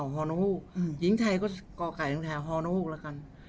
หญิงไทยก็กกฮนะโฮแล้วกัน